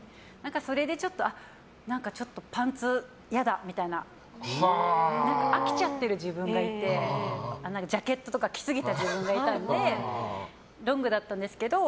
それでちょっと、パンツ嫌だって飽きちゃってる自分がいてジャケットとか着すぎた自分がいたのでロングだったんですけど。